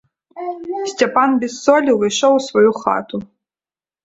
Сцяпан без солі ўвайшоў у сваю хату.